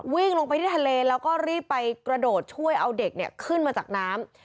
วิ่งลงไปที่ทะเลแล้วก็รีบไปกระโดดช่วยเอาเด็กขึ้นมาจากน้ำ